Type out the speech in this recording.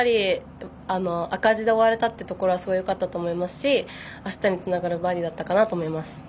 赤字で終われたというところはすごいよかったと思いますしあしたにつながるバーディーだったかなと思います。